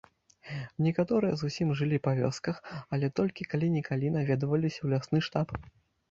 Некаторыя зусім жылі па вёсках, але толькі калі-нікалі наведваліся ў лясны штаб.